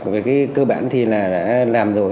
về cái cơ bản thì là đã làm rồi